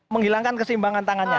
menghilangkan kesimbangan tangannya